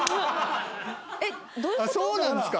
あっそうなんですか？